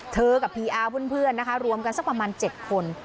กับพีอาร์เพื่อนนะคะรวมกันสักประมาณ๗คน